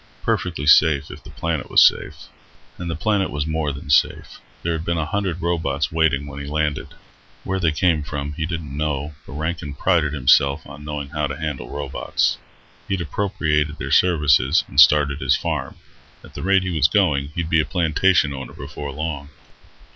Perfectly safe, if the planet was safe. And the planet was more than safe. There had been a hundred robots waiting when he landed. Where they came from he didn't know, but Rankin prided himself on knowing how to handle robots. He'd appropriated their services and started his farm. At the rate he was going, he'd be a plantation owner before long.